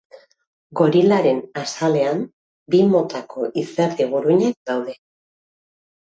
Gorilaren azalean bi motako izerdi-guruinak daude.